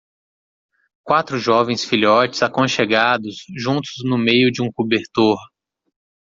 quatro jovens filhotes aconchegados juntos no meio de um cobertor.